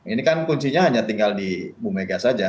ini kan kuncinya hanya tinggal di bumega saja